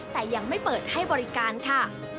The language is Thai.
แต่ยังไม่เปิดให้บริการค่ะ